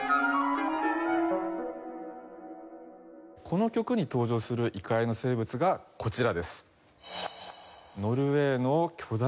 この曲に登場する異界の生物がこちらです。